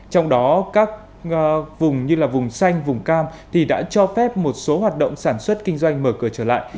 trong đó các vùng như là vùng xanh vùng cam thì đã cho phép một số hoạt động sản xuất kinh doanh mở cửa trở lại